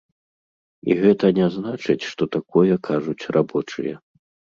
І гэта не значыць, што такое кажуць рабочыя.